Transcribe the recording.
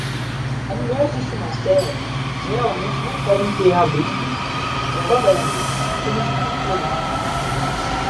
Animais de estimação geralmente não podem ter abrigos ou varandas, como de costume.